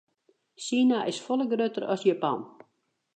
Sina is folle grutter as Japan.